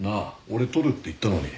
俺撮るって言ったのに。